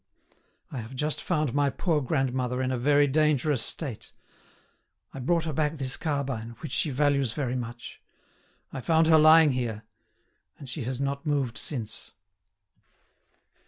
I have just found my poor grandmother in a very dangerous state. I brought her back this carbine, which she values very much; I found her lying here, and she has not moved since."